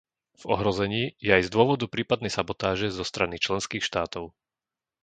V ohrození je aj z dôvodu prípadnej sabotáže zo strany členských štátov.